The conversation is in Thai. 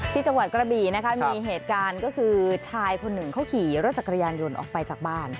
จังหวัดกระบี่นะคะมีเหตุการณ์ก็คือชายคนหนึ่งเขาขี่รถจักรยานยนต์ออกไปจากบ้าน